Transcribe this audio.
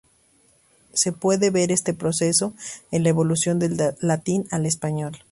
Se puede ver este proceso en la evolución del latín al español.